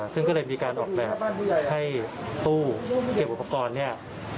ซึ่งก็เลยมีการออกแบบให้ตู้เก็บอุปกรณ์เนี่ย